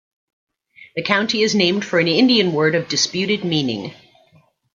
The county is named for an Indian word of disputed meaning.